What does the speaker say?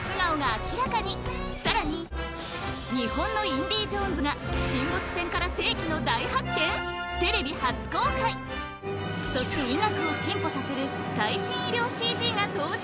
さらに日本のインディ・ジョーンズが沈没船からそして医学を進歩させる最新医療ＣＧが登場！